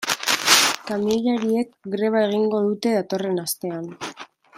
Kamioilariek greba egingo dute datorren astean.